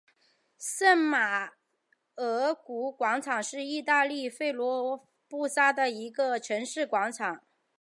圣马尔谷广场是意大利佛罗伦萨的一个城市广场。